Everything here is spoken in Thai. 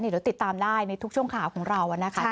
เดี๋ยวติดตามได้ในทุกช่วงข่าวของเรานะคะ